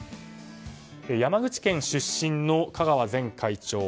山口県出身の香川前会長。